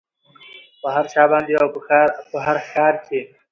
په هر چا باندې او په هر ښار کې